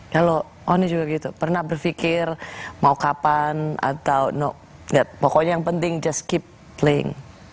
kalau oni juga gitu pernah berpikir mau kapan atau pokoknya yang penting just keep plank